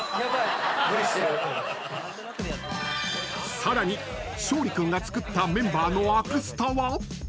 ［さらに勝利君が作ったメンバーのアクスタは？］